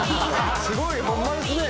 「すごい！ホンマですねもう」